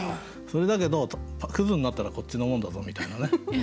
それだけどくずになったらこっちのもんだぞみたいなね。